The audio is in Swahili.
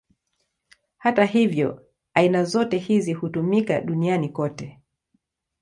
Hata hivyo, aina zote hizi hutumika duniani kote.